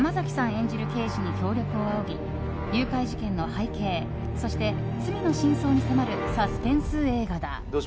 演じる刑事に協力をあおぎ誘拐事件の背景、そして罪の真相に迫るサスペンス映画だ。